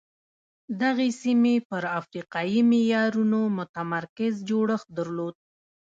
دغې سیمې پر افریقایي معیارونو متمرکز جوړښت درلود.